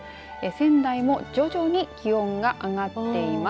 仙台も徐々に気温が上がっています。